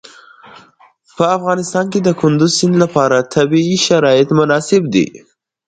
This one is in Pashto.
په افغانستان کې د کندز سیند لپاره طبیعي شرایط مناسب دي.